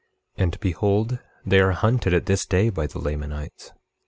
25:9 And behold they are hunted at this day by the Lamanites.